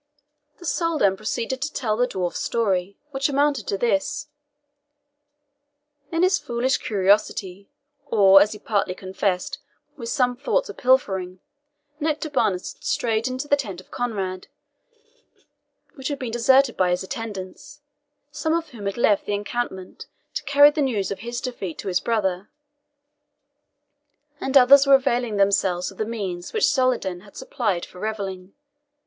The Soldan proceeded to tell the dwarf's story, which amounted to this. In his foolish curiosity, or, as he partly confessed, with some thoughts of pilfering, Nectabanus had strayed into the tent of Conrade, which had been deserted by his attendants, some of whom had left the encampment to carry the news of his defeat to his brother, and others were availing themselves of the means which Saladin had supplied for revelling.